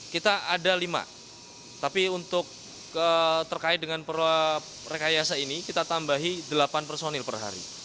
kita ada lima tapi untuk terkait dengan perwa rekayasa ini kita tambahi delapan personil per hari